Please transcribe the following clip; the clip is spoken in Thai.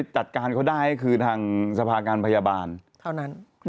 จัดการเขาได้ก็คือทางสภาการพยาบาลเท่านั้น